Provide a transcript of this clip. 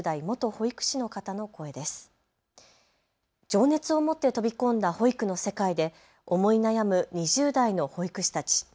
情熱を持って飛び込んだ保育の世界で思い悩む２０代の保育士たち。